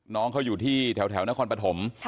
น้องเขาอยู่ที่แถวนครปฐม